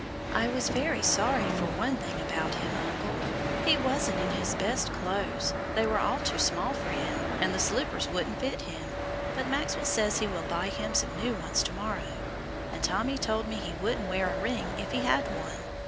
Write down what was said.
I was very sorry for one thing about him, uncle. He wasn't in his best clothes. They were all too small for him, and the slippers wouldn't fit him, but Maxwell says he will buy him some new ones to morrow. And Tommy told me he wouldn't wear a ring if he had one.